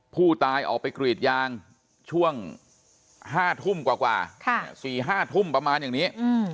ผู้ตายออกไปกรีดยางช่วง๕ทุ่มกว่า๔๕ทุ่มประมาณอย่างนี้